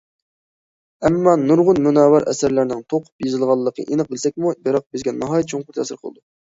ئەمما نۇرغۇن مۇنەۋۋەر ئەسەرلەرنىڭ توقۇپ يېزىلغانلىقىنى ئېنىق بىلسەكمۇ، بىراق بىزگە ناھايىتى چوڭقۇر تەسىر قىلىدۇ.